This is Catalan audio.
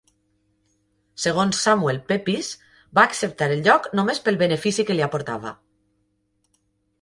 Segons Samuel Pepys, va acceptar el lloc només pel benefici que li aportava.